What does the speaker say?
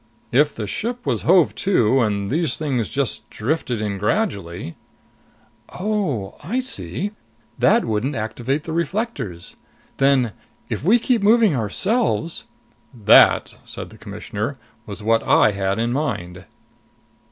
"If the ship was hove to and these things just drifted in gradually " "Oh, I see. That wouldn't activate the reflectors. Then, if we keep moving ourselves " "That," said the Commissioner, "was what I had in mind."